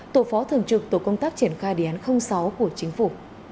tổ phó thường trực tổ công tác triển khai đề án sáu của chính phủ